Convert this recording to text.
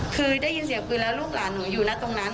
คือได้ยินเสียงปืนแล้วลูกหลานหนูอยู่นะตรงนั้น